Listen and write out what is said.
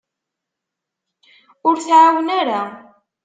Ur tɛawen ara.